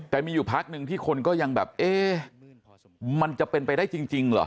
แต่มีอยู่พักหนึ่งที่คนก็ยังแบบเอ๊ะมันจะเป็นไปได้จริงเหรอ